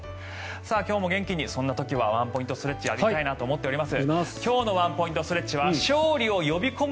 今日も元気にそんな時でもワンポイントストレッチをやりたいなと思っております。